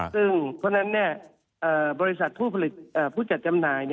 เพราะฉะนั้นบริษัทผู้จัดจำนาย